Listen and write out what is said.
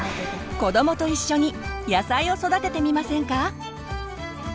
子どもと一緒に野菜を育ててみませんか？